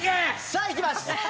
さあいきます！